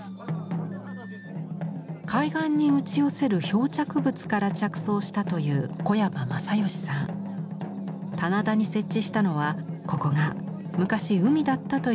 海岸に打ち寄せる漂着物から着想したという棚田に設置したのはここが昔海だったという想像からです。